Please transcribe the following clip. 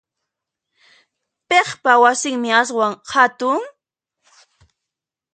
Piqpa wasinmi aswan hatun?